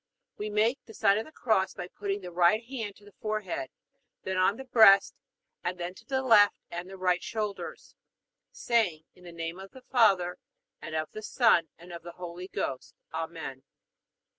We make the sign of the Cross by putting the right hand to the forehead, then on the breast, and then to the left and right shoulders, saying, In the name of the Father, and of the Son, and of the Holy Ghost. Amen.